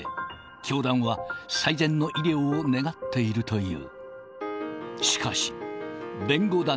教団は最善の医療を願っているという。